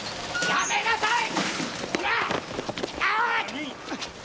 やめなさい！